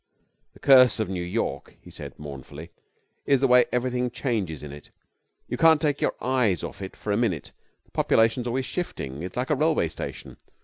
'The curse of New York,' he said, mournfully, 'is the way everything changes in it. You can't take your eyes off it for a minute. The population's always shifting. It's like a railway station.